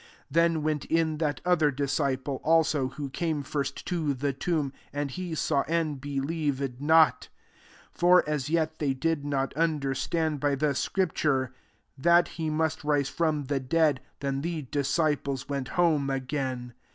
8 Then went in that other disciple also, who came first to the tomb ; and he saw and be lieved not. 9 For as yet they did not understand by the scripture, that he m^ist rise from the dead. 10 Then the disciples went home again.